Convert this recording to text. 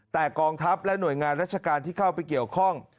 แต่กองทัพและหน่วยงานราชการที่เข้าไปเกี่ยวข้อง